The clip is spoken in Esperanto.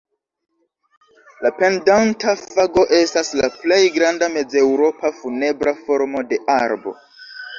La pendanta fago estas la plej granda mezeŭropa funebra formo de arbo.